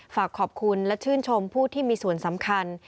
ฝากขอบคุณและชื่นชมผู้ที่มีส่วนสำคัญ